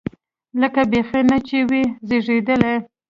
لکه بيخي نه چې وي زېږېدلی.